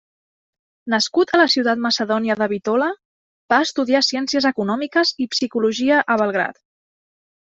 Nascut a la ciutat macedònia de Bitola, va estudiar Ciències Econòmiques i Psicologia a Belgrad.